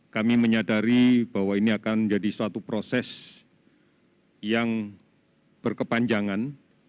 kami menyadari bahwa ini akan menjadi suatu proses yang berkepanjangan